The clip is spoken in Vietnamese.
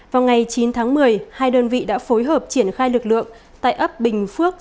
vào ngày chín tháng một mươi hai đơn vị đã phối hợp triển khai lực lượng tại ấp bình phước